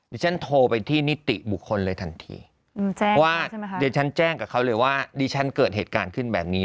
ฉันโทรไปที่นิติบุคคลเลยทันทีแจ้งว่าเดี๋ยวฉันแจ้งกับเขาเลยว่าดิฉันเกิดเหตุการณ์ขึ้นแบบนี้